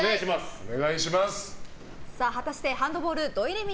果たしてハンドボール土井レミイ